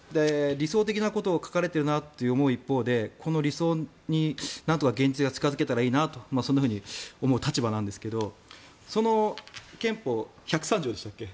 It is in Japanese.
理想的なことが書かれてるなって思う一方でこの理想になんとか現実が近付けたらいいなとそんなふうに思う立場なんですけどその憲法、１０３条でしたっけ